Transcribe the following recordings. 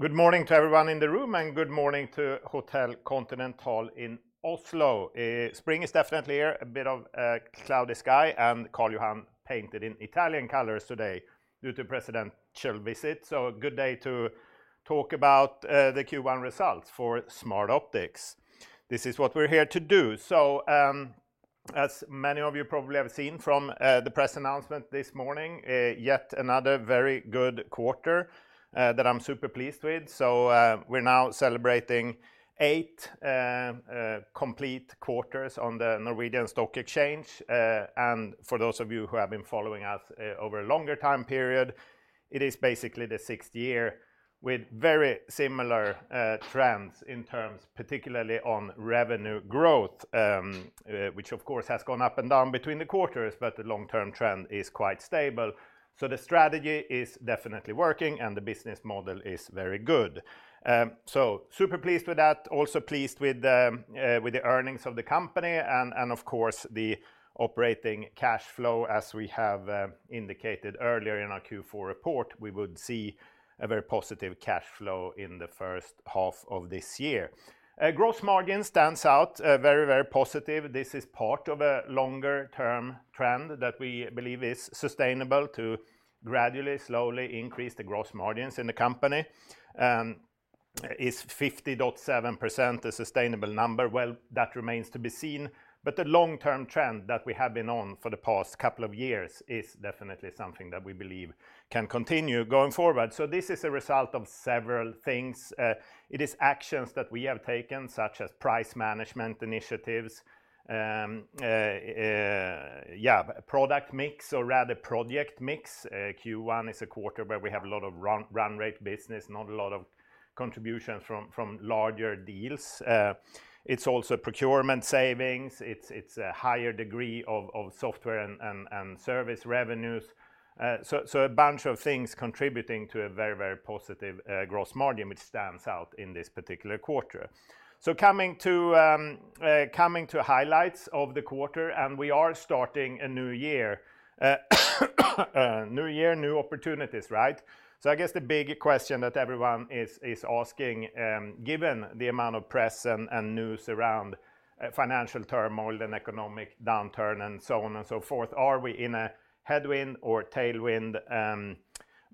Good morning to everyone in the room and good morning to Hotel Continental in Oslo. Spring is definitely here. A bit of cloudy sky and Karl Johan painted in Italian colors today due to President chill visit. Good day to talk about the Q1 results for Smartoptics. This is what we're here to do. As many of you probably have seen from the press announcement this morning, yet another very good quarter that I'm super pleased with. We're now celebrating eight complete quarters on the Oslo Stock Exchange. For those of you who have been following us, over a longer time period, it is basically the sixth year with very similar trends in terms particularly on revenue growth, which of course has gone up and down between the quarters, but the long-term trend is quite stable. The strategy is definitely working, and the business model is very good. Super pleased with that. Also pleased with the earnings of the company and, of course, the operating cash flow as we have indicated earlier in our Q4 report, we would see a very positive cash flow in the first half of this year. A gross margin stands out, very, very positive. This is part of a longer-term trend that we believe is sustainable to gradually, slowly increase the gross margins in the company. Is 50.7% a sustainable number? Well, that remains to be seen, but the long-term trend that we have been on for the past couple of years is definitely something that we believe can continue going forward. This is a result of several things. It is actions that we have taken, such as price management initiatives, yeah, product mix, or rather project mix. Q1 is a quarter where we have a lot of run rate business, not a lot of contributions from larger deals. It's also procurement savings. It's a higher degree of software and service revenues. A bunch of things contributing to a very positive gross margin, which stands out in this particular quarter. Coming to highlights of the quarter, we are starting a new year. New year, new opportunities, right? I guess the big question that everyone is asking, given the amount of press and news around, financial turmoil and economic downturn and so on and so forth, are we in a headwind or tailwind,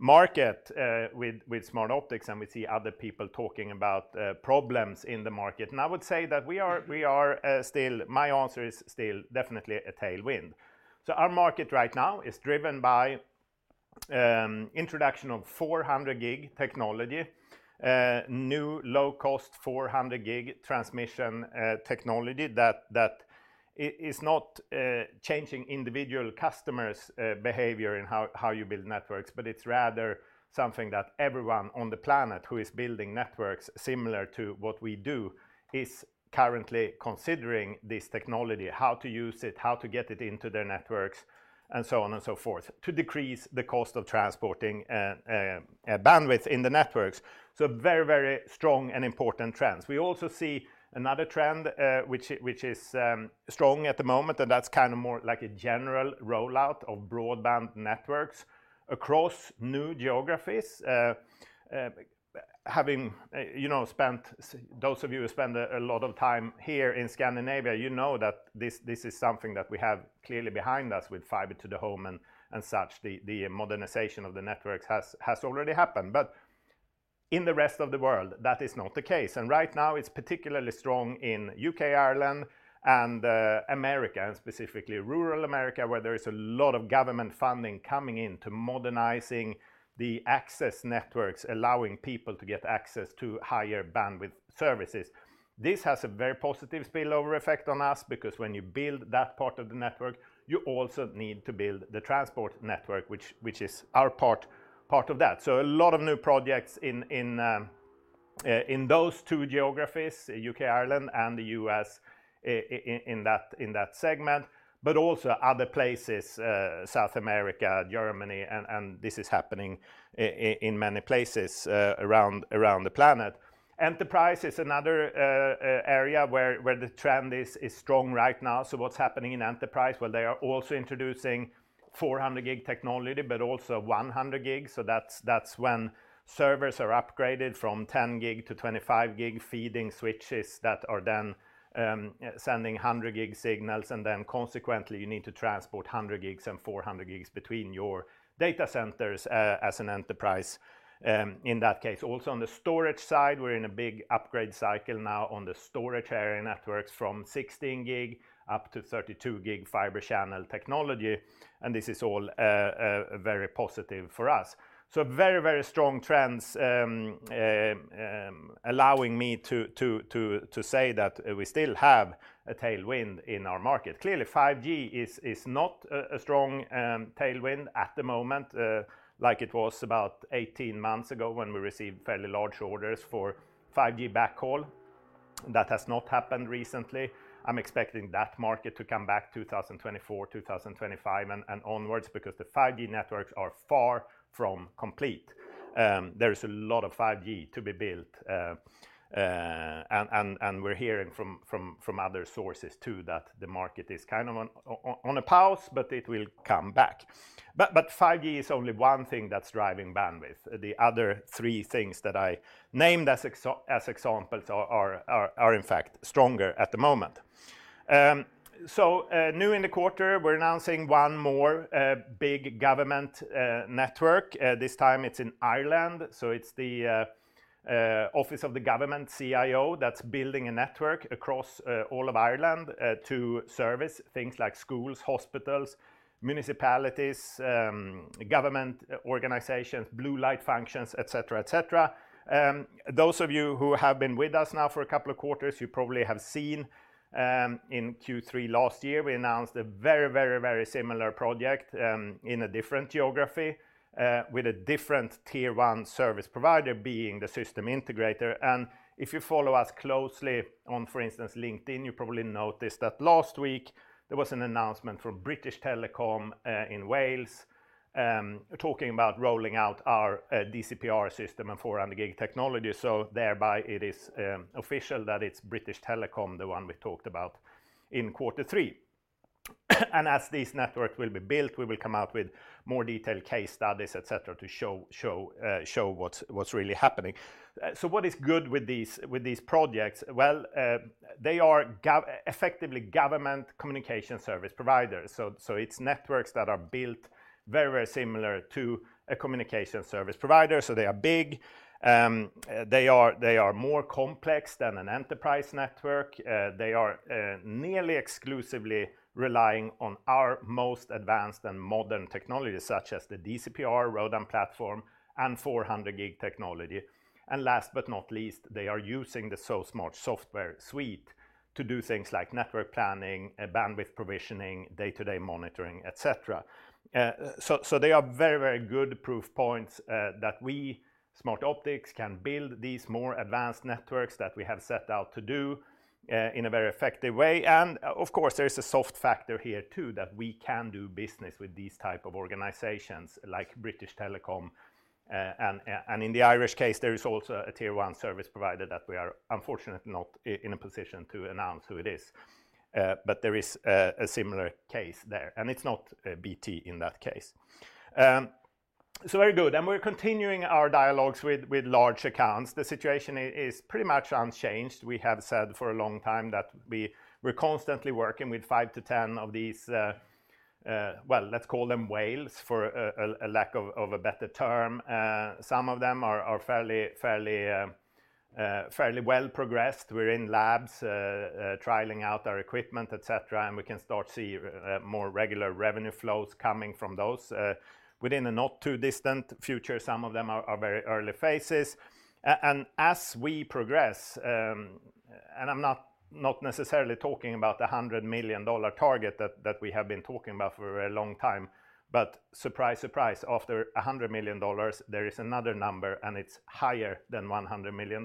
market, with Smartoptics? We see other people talking about, problems in the market. I would say that my answer is still definitely a tailwind. Our market right now is driven by introduction of 400G technology, new low-cost 400G transmission technology that is not changing individual customers' behavior in how you build networks, but it's rather something that everyone on the planet who is building networks similar to what we do is currently considering this technology, how to use it, how to get it into their networks, and so on and so forth, to decrease the cost of transporting bandwidth in the networks. Very, very strong and important trends. We also see another trend which is strong at the moment, and that's kind of more like a general rollout of broadband networks across new geographies. Having, you know, spent Those of you who spend a lot of time here in Scandinavia, you know that this is something that we have clearly behind us with Fiber to the Home and such. The modernization of the networks has already happened. In the rest of the world, that is not the case. Right now, it's particularly strong in U.K., Ireland, and America, and specifically rural America, where there is a lot of government funding coming in to modernizing the access networks, allowing people to get access to higher bandwidth services. This has a very positive spillover effect on us because when you build that part of the network, you also need to build the transport network, which is our part of that. A lot of new projects in those two geographies, U.K., Ireland, and the U.S. in that, in that segment, but also other places, South America, Germany, and this is happening in many places around the planet. Enterprise is another area where the trend is strong right now. What's happening in Enterprise? Well, they are also introducing 400G technology, but also 100G. That's when servers are upgraded from 10G to 25G feeding switches that are then sending 100G signals, and then consequently you need to transport 100G and 400G between your data centers as an enterprise in that case. On the storage side, we're in a big upgrade cycle now on the storage area networks from 16 gig up to 32 gig Fibre Channel technology, this is all very positive for us. Very strong trends, allowing me to say that we still have a tailwind in our market. Clearly, 5G is not a strong tailwind at the moment, like it was about 18 months ago when we received fairly large orders for 5G backhaul. That has not happened recently. I'm expecting that market to come back 2024, 2025 and onwards because the 5G networks are far from complete. There is a lot of 5G to be built. We're hearing from other sources too that the market is kind of on a pause, but it will come back. 5G is only one thing that's driving bandwidth. The other three things that I named as examples are in fact stronger at the moment. New in the quarter, we're announcing one more big government network. This time it's in Ireland. It's the Office of the Government CIO that's building a network across all of Ireland to service things like schools, hospitals, municipalities, government organizations, blue light functions, et cetera, et cetera. Those of you who have been with us now for a couple of quarters, you probably have seen in Q3 last year, we announced a very, very, very similar project in a different geography with a different Tier I service provider being the system integrator. If you follow us closely on, for instance, LinkedIn, you probably noticed that last week there was an announcement from British Telecom in Wales talking about rolling out our DCP-R system and 400G technology. Thereby it is official that it's British Telecom, the one we talked about in quarter three. As these networks will be built, we will come out with more detailed case studies, et cetera, to show what's really happening. What is good with these projects? Well, thet are effectively government communication service providers. It's networks that are built very, very similar to a communication service provider. They are big. They are more complex than an enterprise network. They are nearly exclusively relying on our most advanced and modern technologies such as the DCP-R ROADM platform and 400G technology. Last but not least, they are using the SoSmart software suite to do things like network planning, bandwidth provisioning, day-to-day monitoring, et cetera. They are very, very good proof points that we, Smartoptics, can build these more advanced networks that we have set out to do in a very effective way. Of course, there's a soft factor here too, that we can do business with these type of organizations like British Telecom. In the Irish case, there is also a tier one service provider that we are unfortunately not in a position to announce who it is. There is a similar case there, and it's not BT in that case. Very good. We're continuing our dialogues with large accounts. The situation is pretty much unchanged. We have said for a long time that we're constantly working with five to 10 of these, well, let's call them whales for a lack of a better term. Some of them are fairly well progressed. We're in labs, trialing out our equipment, et cetera, and we can start see more regular revenue flows coming from those within a not too distant future. Some of them are very early phases. As we progress, I'm not necessarily talking about the $100 million target that we have been talking about for a very long time. Surprise, surprise, after $100 million, there is another number, and it's higher than $100 million.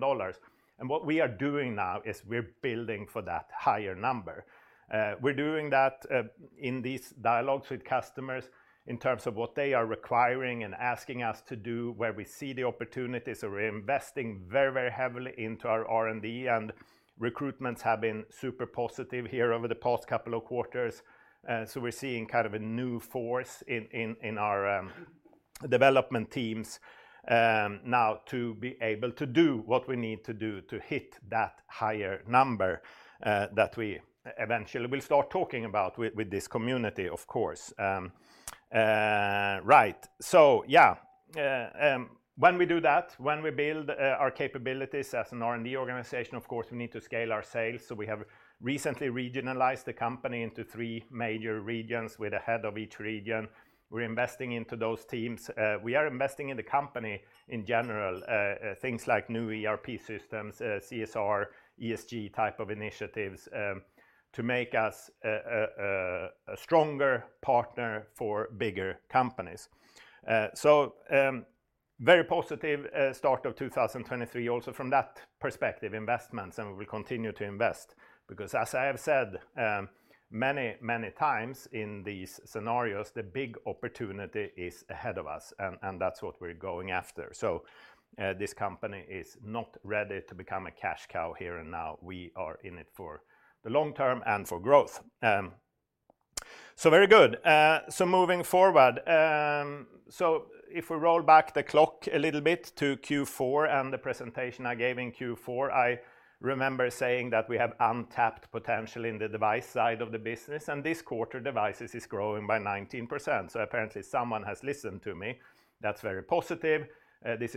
What we are doing now is we're building for that higher number. We're doing that in these dialogues with customers in terms of what they are requiring and asking us to do, where we see the opportunities. We're investing very, very heavily into our R&D. Recruitments have been super positive here over the past couple of quarters. We're seeing kind of a new force in, in our development teams now to be able to do what we need to do to hit that higher number that we eventually will start talking about with this community, of course. When we do that, when we build our capabilities as an R&D organization, of course, we need to scale our sales. We have recently regionalized the company into three major regions with a head of each region. We're investing into those teams. We are investing in the company in general, things like new ERP systems, CSR, ESG type of initiatives to make us a stronger partner for bigger companies. Very positive start of 2023 also from that perspective, investments, and we continue to invest because as I have said many, many times in these scenarios, the big opportunity is ahead of us, and that's what we're going after. This company is not ready to become a cash cow here and now. We are in it for the long term and for growth. Very good. Moving forward. If we roll back the clock a little bit to Q4 and the presentation I gave in Q4, I remember saying that we have untapped potential in the device side of the business, and this quarter, devices is growing by 19%. Apparently, someone has listened to me. That's very positive. It's,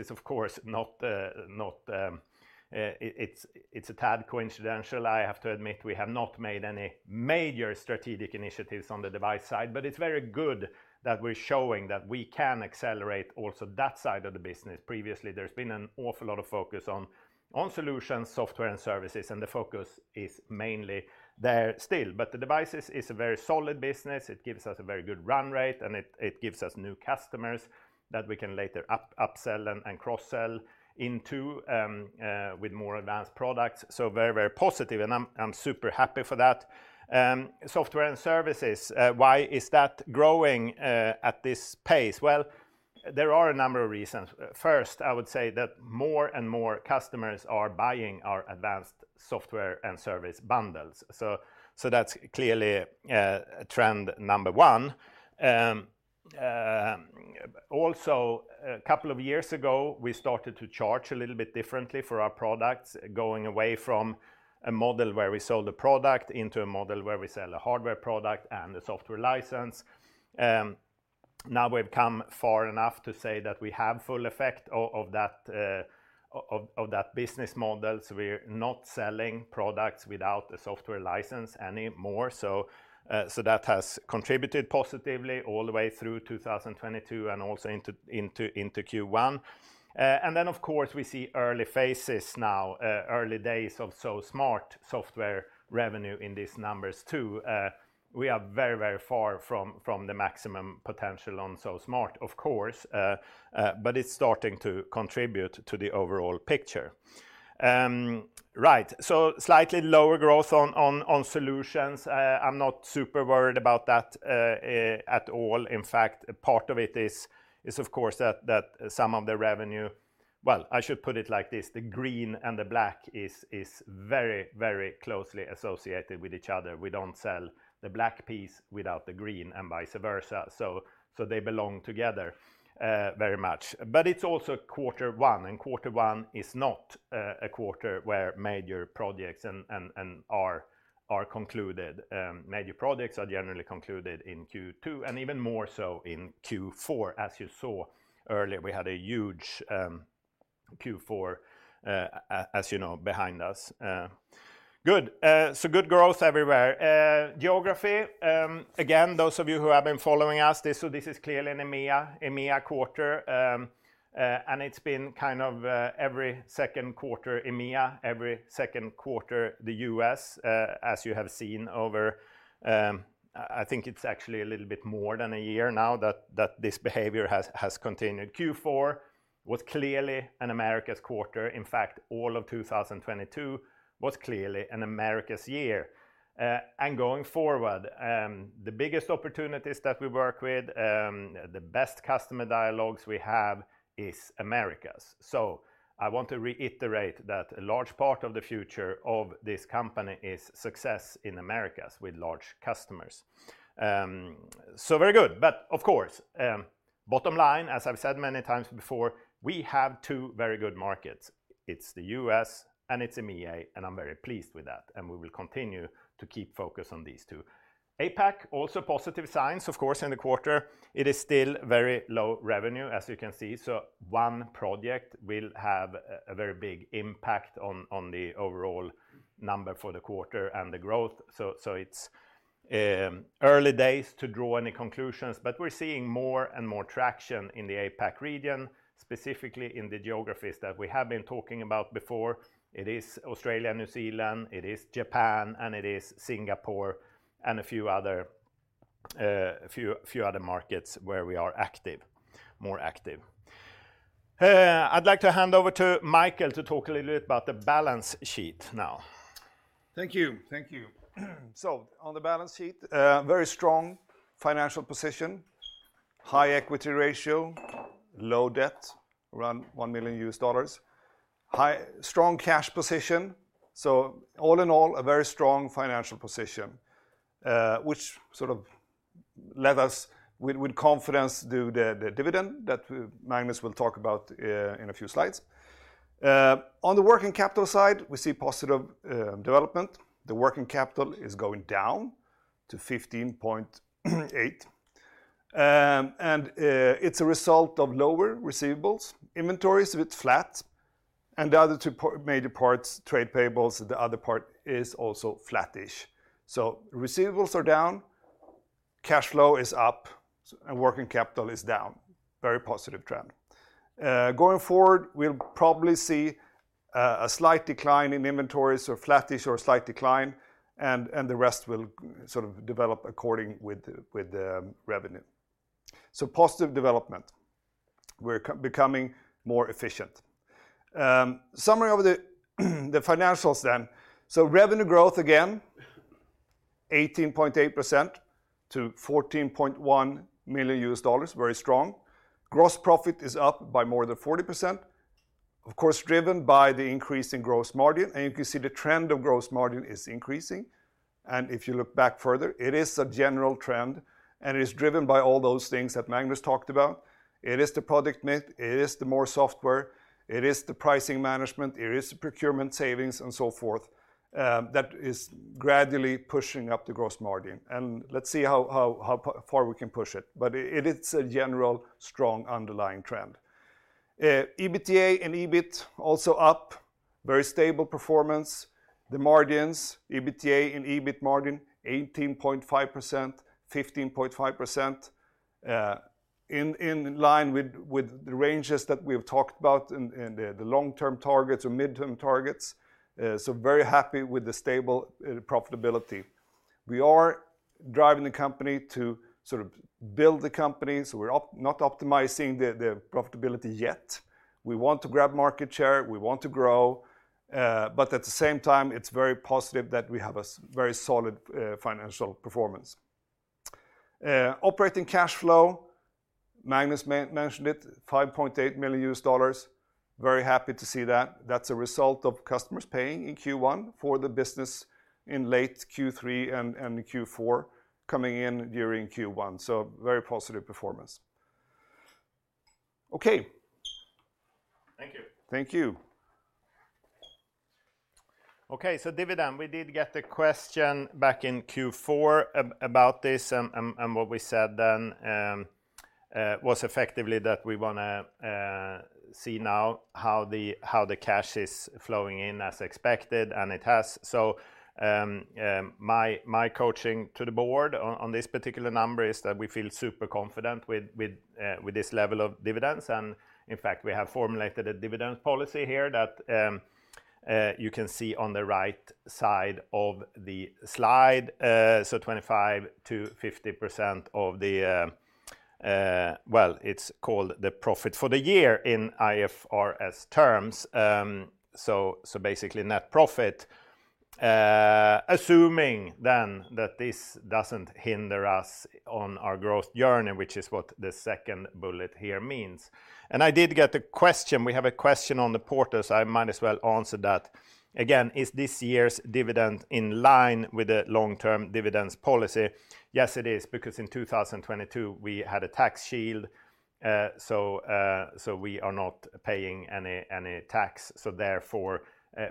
it's a tad coincidental, I have to admit. We have not made any major strategic initiatives on the device side, it's very good that we're showing that we can accelerate also that side of the business. Previously, there's been an awful lot of focus on solutions, software, and services, and the focus is mainly there still. The devices is a very solid business. It gives us a very good run rate, and it gives us new customers that we can later upsell and cross-sell into with more advanced products. Very, very positive, and I'm super happy for that. Software and services, why is that growing at this pace? Well, there are a number of reasons. First, I would say that more and more customers are buying our advanced software and service bundles. That's clearly trend number one. Also a couple of years ago, we started to charge a little bit differently for our products, going away from a model where we sold a product into a model where we sell a hardware product and a software license. Now we've come far enough to say that we have full effect of that business model. We're not selling products without a software license anymore. That has contributed positively all the way through 2022 and also into Q1. Then of course, we see early phases now, early days of SoSmart software revenue in these numbers too. We are very far from the maximum potential on SoSmart, of course, but it's starting to contribute to the overall picture. Right. Slightly lower growth on solutions. I'm not super worried about that at all. In fact, part of it is of course that Well, I should put it like this, the green and the black is very closely associated with each other. We don't sell the black piece without the green and vice versa. They belong together very much. It's also Q1, and Q1 is not a quarter where major projects and are concluded. Major projects are generally concluded in Q2, and even more so in Q4. As you saw earlier, we had a huge Q4, as you know, behind us. Good. Good growth everywhere. Geography, again, those of you who have been following us, this is clearly an EMEA quarter. It's been kind of every second quarter EMEA, every second quarter the U.S., as you have seen over, I think it's actually a little bit more than a year now that this behavior has continued. Q4 was clearly an Americas quarter. In fact, all of 2022 was clearly an Americas year. Going forward, the biggest opportunities that we work with, the best customer dialogues we have is Americas. I want to reiterate that a large part of the future of this company is success in Americas with large customers. Very good. Bottom line, as I've said many times before, we have two very good markets. It's the U.S. and it's EMEA, and I'm very pleased with that, and we will continue to keep focus on these two. APAC, also positive signs, of course, in the quarter. It is still very low revenue, as you can see. One project will have a very big impact on the overall number for the quarter and the growth. It's early days to draw any conclusions, but we're seeing more and more traction in the APAC region, specifically in the geographies that we have been talking about before. It is Australia, New Zealand, it is Japan, and it is Singapore, and a few other markets where we are active, more active. I'd like to hand over to Michael to talk a little bit about the balance sheet now. Thank you. Thank you. On the balance sheet, a very strong financial position, high equity ratio, low debt, around $1 million. Strong cash position. All in all, a very strong financial position, which sort of led us with confidence do the dividend that Magnus will talk about in a few slides. On the working capital side, we see positive development. The working capital is going down to 15.8. And it's a result of lower receivables, inventories, it's flat, and the other two major parts, trade payables, the other part is also flattish. Receivables are down, cash flow is up, and working capital is down. Very positive trend. Going forward, we'll probably see a slight decline in inventories or flattish or a slight decline, and the rest will sort of develop according with the revenue. Positive development. We're becoming more efficient. Summary of the financials then. Revenue growth, again, 18.8% to $14.1 million, very strong. Gross profit is up by more than 40%, of course, driven by the increase in gross margin. You can see the trend of gross margin is increasing. If you look back further, it is a general trend, and it is driven by all those things that Magnus talked about. It is the product mix, it is the more software, it is the pricing management, it is the procurement savings and so forth, that is gradually pushing up the gross margin. Let's see how far we can push it. It is a general strong underlying trend. EBITDA and EBIT also up. Very stable performance. The margins, EBITDA and EBIT margin, 18.5%, 15.5%, in line with the ranges that we've talked about in the long-term targets or midterm targets. Very happy with the stable profitability. We are driving the company to sort of build the company, so we're not optimizing the profitability yet. We want to grab market share, we want to grow, but at the same time it's very positive that we have a very solid financial performance. Operating cash flow, Magnus mentioned it, $5.8 million. Very happy to see that. That's a result of customers paying in Q1 for the business in late Q3 and Q4 coming in during Q1, so very positive performance. Okay. Thank you. Thank you. Okay. Dividend, we did get a question back in Q4 about this and what we said then was effectively that we wanna see now how the cash is flowing in as expected, and it has. My coaching to the board on this particular number is that we feel super confident with this level of dividends and in fact we have formulated a dividend policy here that you can see on the right side of the slide. 25%-50% of the... Well, it's called the profit for the year in IFRS terms. Basically net profit, assuming then that this doesn't hinder us on our growth journey, which is what the second bullet here means. I did get a question. We have a question on the portal, so I might as well answer that. Again, is this year's dividend in line with the long-term dividends policy? Yes, it is, because in 2022 we had a tax shield, so we are not paying any tax, therefore,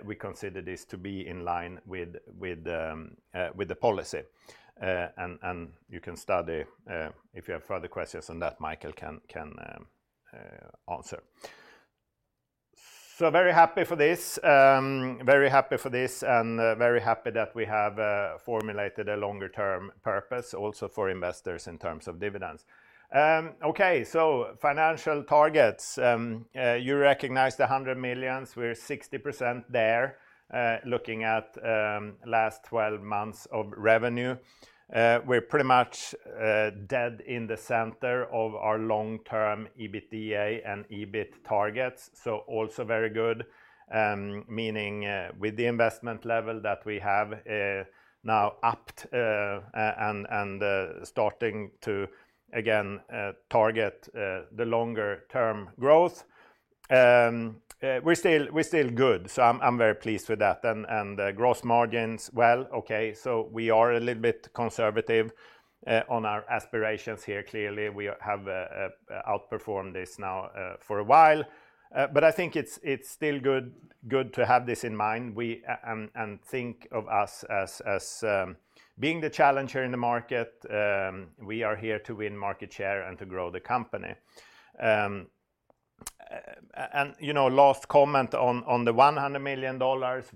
we consider this to be in line with the policy. You can study, if you have further questions on that, Michael can answer. Very happy for this. Very happy for this and very happy that we have formulated a longer term purpose also for investors in terms of dividends. Okay, so financial targets. You recognize the $100 million. We're 60% there, looking at last 12 months of revenue. We're pretty much dead in the center of our long-term EBITDA and EBIT targets, also very good. Meaning, with the investment level that we have now upped, and starting to again target the longer term growth. We're still good, I'm very pleased with that. Gross margins, well, okay, we are a little bit conservative on our aspirations here. Clearly we have outperformed this now for a while. I think it's still good to have this in mind. We think of us as being the challenger in the market. We are here to win market share and to grow the company. You know, last comment on the $100 million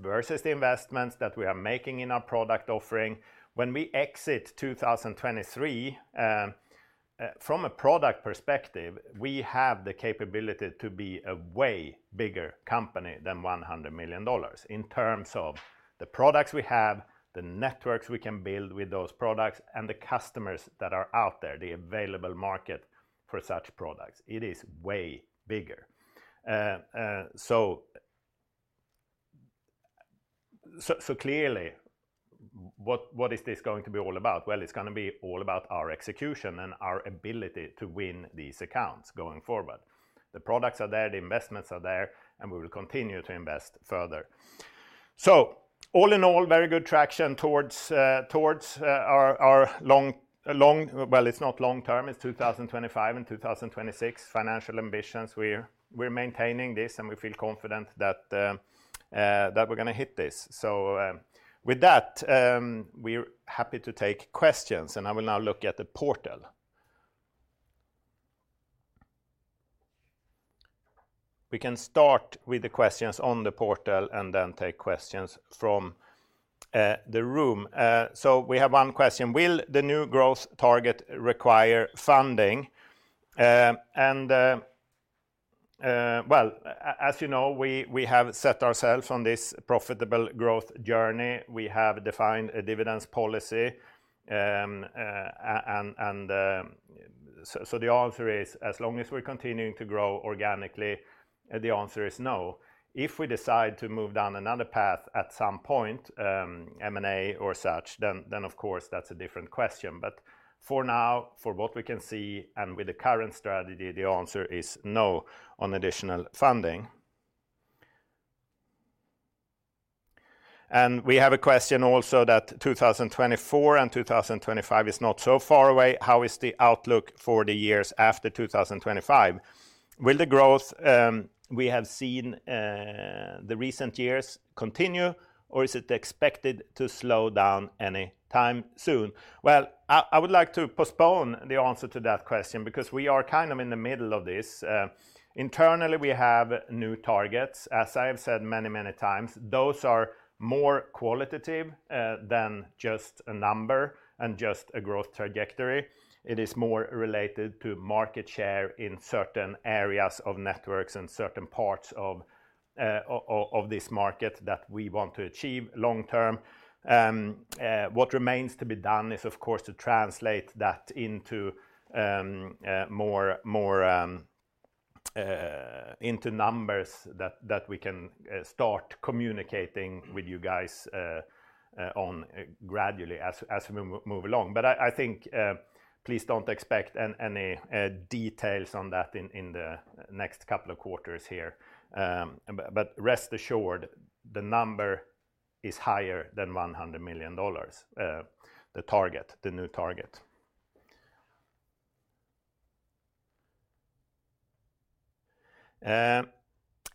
versus the investments that we are making in our product offering. When we exit 2023, from a product perspective, we have the capability to be a way bigger company than $100 million in terms of the products we have, the networks we can build with those products, and the customers that are out there, the available market for such products. It is way bigger. Clearly what is this going to be all about? Well, it's going to be all about our execution and our ability to win these accounts going forward. The products are there, the investments are there, we will continue to invest further. All in all, very good traction towards our long... Well, it's not long term, it's 2025 and 2026 financial ambitions. We're maintaining this, and we feel confident that we're gonna hit this. With that, we're happy to take questions, and I will now look at the portal. We can start with the questions on the portal and then take questions from the room. We have one question: Will the new growth target require funding? Well, as you know, we have set ourselves on this profitable growth journey. We have defined a dividends policy. The answer is, as long as we're continuing to grow organically, the answer is no. If we decide to move down another path at some point, M&A or such, then of course that's a different question. For now, for what we can see and with the current strategy, the answer is no on additional funding. We have a question also that 2024 and 2025 is not so far away. How is the outlook for the years after 2025? Will the growth we have seen the recent years continue or is it expected to slow down any time soon? Well, I would like to postpone the answer to that question because we are kind of in the middle of this. Internally we have new targets. As I have said many, many times, those are more qualitative than just a number and just a growth trajectory. It is more related to market share in certain areas of networks and certain parts of this market that we want to achieve long term. What remains to be done is of course to translate that into more, more, into numbers that we can start communicating with you guys on gradually as we move along. I think, please don't expect any details on that in the next couple of quarters here. Rest assured the number is higher than $100 million, the target, the new target.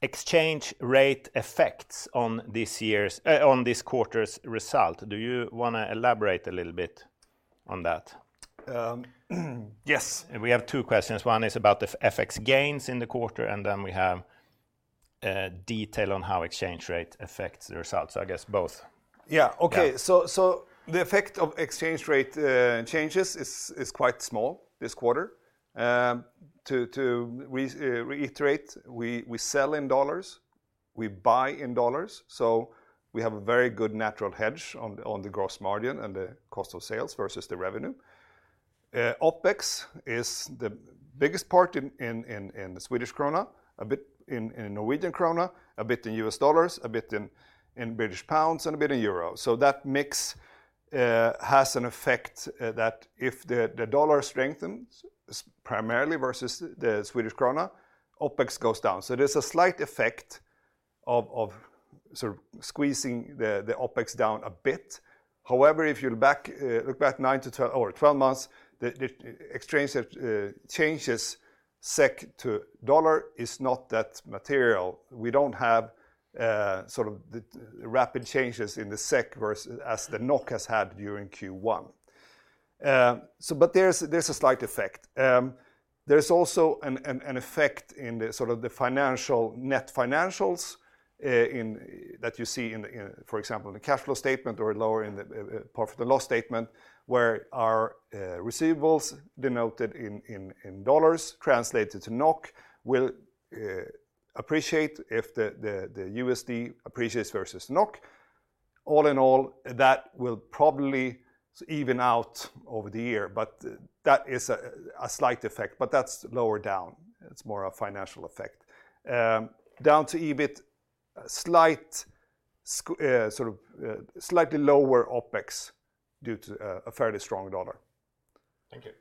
Exchange rate effects on this quarter's result. Do you wanna elaborate a little bit on that? Yes. We have two questions. One is about the FX gains in the quarter, and then we have detail on how exchange rate affects the results. I guess both. Yeah. Okay. Yeah. The effect of exchange rate changes is quite small this quarter. To reiterate, we sell in USD, we buy in USD, we have a very good natural hedge on the gross margin and the cost of sales versus the revenue. OpEx is the biggest part in Swedish krona, a bit in Norwegian krona, a bit in USD, a bit in GBP, and a bit in EUR. That mix has an effect that if the USD strengthens primarily versus the Swedish krona, OpEx goes down. There's a slight effect of sort of squeezing the OpEx down a bit. However, if you look back nine to 12 months, the exchange changes SEK to USD is not that material. We don't have sort of the rapid changes in the SEK versus as the NOK has had during Q1. But there's a slight effect. There's also an effect in the sort of the financial, net financials, that you see in, for example, in the cash flow statement or lower in the profit and loss statement, where our receivables denoted in dollars translated to NOK will appreciate if the USD appreciates versus NOK. All in all, that will probably even out over the year. That is a slight effect, but that's lower down. It's more a financial effect. Down to EBIT, slight sort of slightly lower OpEx due to a fairly strong dollar. Thank you.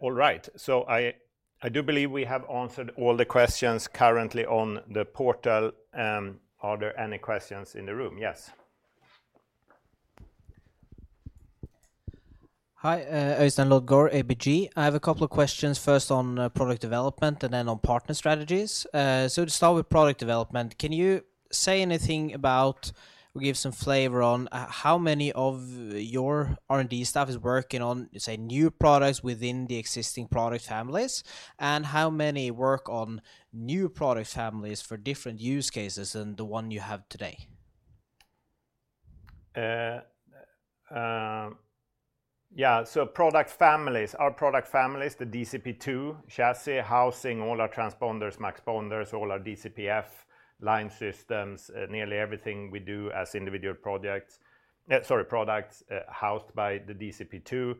All right. I do believe we have answered all the questions currently on the portal. Are there any questions in the room? Yes. Hi, Øystein Lodgaard, ABG. I have a couple of questions first on product development and then on partner strategies. To start with product development, can you say anything about, or give some flavor on how many of your R&D staff is working on, say, new products within the existing product families? How many work on new product families for different use cases than the one you have today? Yeah. Product families. Our product families, the DCP-2, chassis, housing, all our transponders, muxponders, all our DCP-F line systems, nearly everything we do as individual projects. Sorry, products, housed by the DCP-2.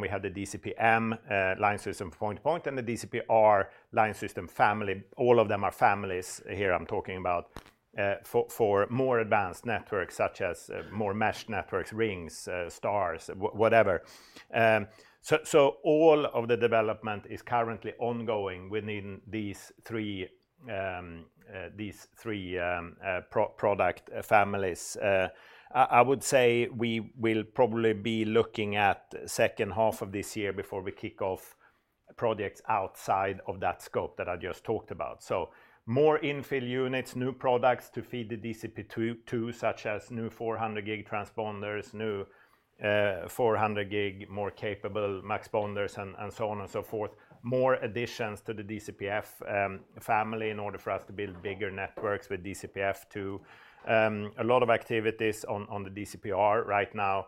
We have the DCP-M line system point to point, and the DCP-R line system family. All of them are families here I'm talking about, for more advanced networks, such as, more mesh networks, rings, stars, whatever. All of the development is currently ongoing within these three product families. I would say we will probably be looking at second half of this year before we kick off projects outside of that scope that I just talked about. More infill units, new products to feed the DCP-2 to such as new 400G transponders, new 400G more capable muxponders, and so on and so forth. More additions to the DCP-F family in order for us to build bigger networks with DCP-F to a lot of activities on the DCP-R right now,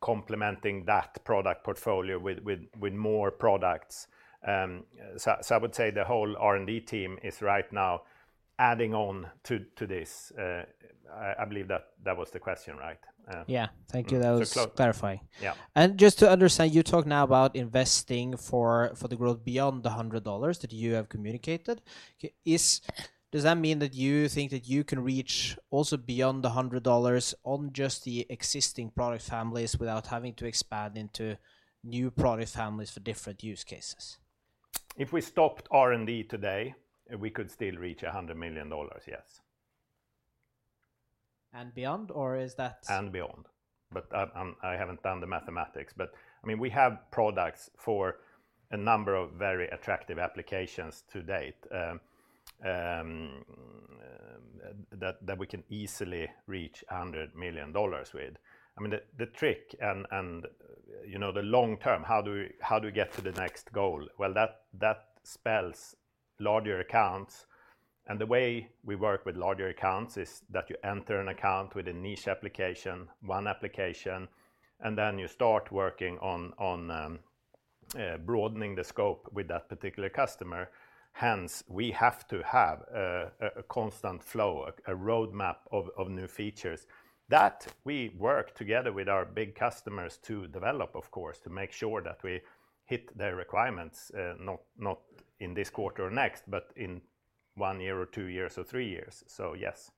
complementing that product portfolio with more products. I would say the whole R&D team is right now adding on to this. I believe that was the question, right? Yeah. Thank you. Thanks for clarifying. Yeah. Just to understand, you talk now about investing for the growth beyond the $100 that you have communicated. Does that mean that you think that you can reach also beyond the $100 on just the existing product families without having to expand into new product families for different use cases? If we stopped R&D today, we could still reach $100 million, yes. Beyond, or is that. Beyond. I haven't done the mathematics, but I mean, we have products for a number of very attractive applications to date, that we can easily reach $100 million with. I mean, the trick and, you know, the long term, how do we get to the next goal? Well, that spells larger accounts, and the way we work with larger accounts is that you enter an account with a niche application, one application, and then you start working on, broadening the scope with that particular customer. We have to have a constant flow, a road map of new features that we work together with our big customers to develop, of course, to make sure that we hit their requirements, not in this quarter or next, but in one year or two years or three years. Yes.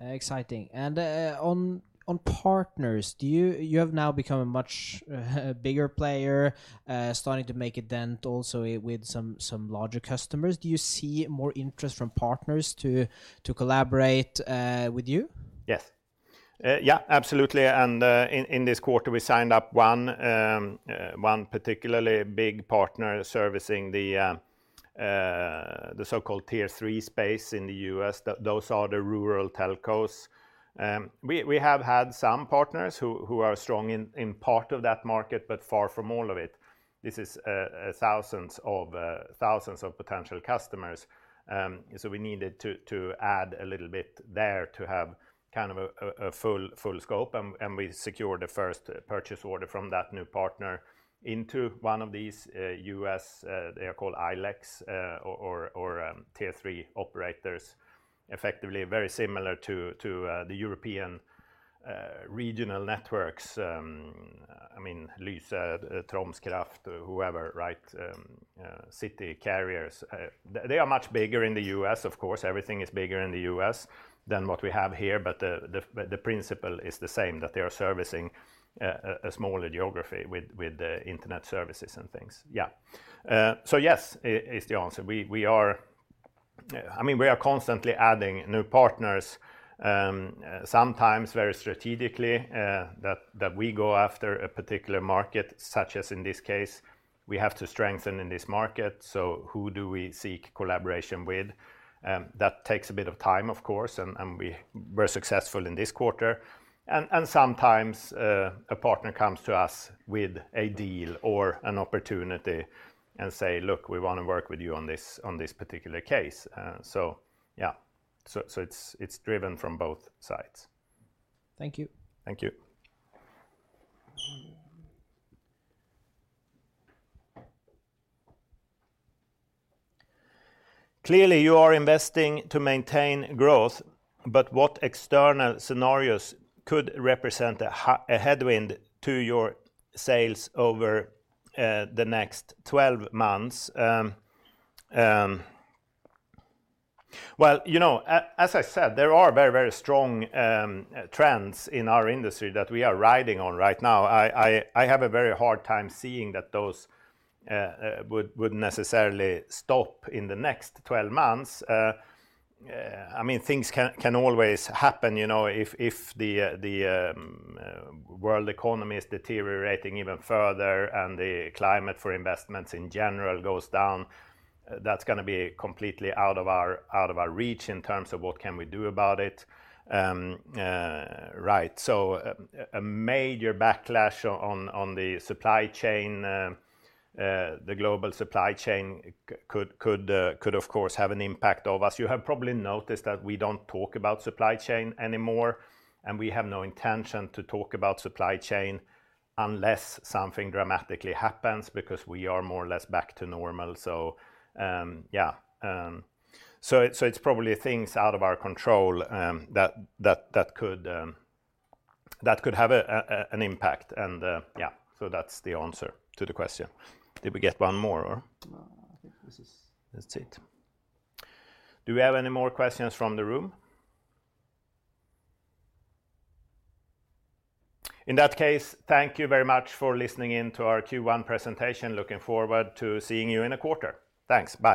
Exciting. On partners, do you? You have now become a much bigger player, starting to make a dent also with some larger customers. Do you see more interest from partners to collaborate with you? Yes. Yeah, absolutely. In this quarter, we signed up one particularly big partner servicing the so-called Tier III space in the U.S. Those are the rural telcos. We have had some partners who are strong in part of that market, but far from all of it. This is thousands of potential customers. We needed to add a little bit there to have kind of a full scope, and we secured the first purchase order from that new partner into one of these U.S. ILECs or Tier III operators. Effectively, very similar to the European regional networks. I mean, Lyse, Troms Kraft, whoever, right? City carriers. They are much bigger in the U.S., of course. Everything is bigger in the U.S. than what we have here, the principle is the same, that they are servicing a smaller geography with the internet services and things. Yeah. Yes is the answer. We are, I mean, we are constantly adding new partners, sometimes very strategically, that we go after a particular market, such as in this case. We have to strengthen in this market, who do we seek collaboration with? That takes a bit of time, of course, and we were successful in this quarter. Sometimes a partner comes to us with a deal or an opportunity and say, "Look, we wanna work with you on this particular case." Yeah. It's driven from both sides. Thank you. Thank you. Clearly, you are investing to maintain growth, but what external scenarios could represent a headwind to your sales over the next 12 months? Well, you know, as I said, there are very, very strong trends in our industry that we are riding on right now. I have a very hard time seeing that those would necessarily stop in the next 12 months. I mean, things can always happen. You know, if the world economy is deteriorating even further and the climate for investments in general goes down, that's gonna be completely out of our reach in terms of what can we do about it. Right. A major backlash on the supply chain the global supply chain, of course, have an impact of us. You have probably noticed that we don't talk about supply chain anymore, and we have no intention to talk about supply chain unless something dramatically happens because we are more or less back to normal. Yeah. It's probably things out of our control that could have an impact. Yeah, that's the answer to the question. Did we get one more? No, I think this is That's it. Do we have any more questions from the room? In that case, thank you very much for listening in to our Q1 presentation. Looking forward to seeing you in a quarter. Thanks.